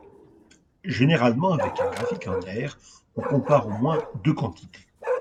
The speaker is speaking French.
Généralement avec un graphique en aires, on compare au moins deux quantités.